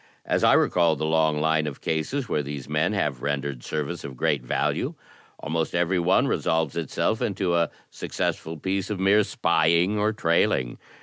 As I recall the long line of cases where these men have rendered service of great value, almost every one resolves itself into a successful piece of mere spying or trailing.